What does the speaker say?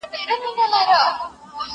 وخت لکه سره زر.